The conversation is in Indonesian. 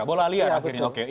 bola liar akhirnya